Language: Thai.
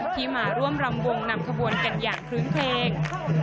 ที่มาร่วมรำวงนำขบวนกันอย่างคลื้นเครง